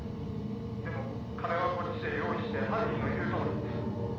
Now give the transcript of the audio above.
でも金はこっちで用意して犯人の言うとおりにする。